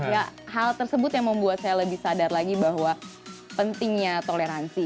ya hal tersebut yang membuat saya lebih sadar lagi bahwa pentingnya toleransi